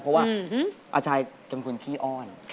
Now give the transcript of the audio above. เพราะว่าอาชายขอบคุณขี้อ้อน